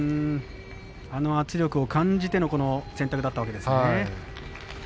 圧力を感じてのこの選択だったわけですね。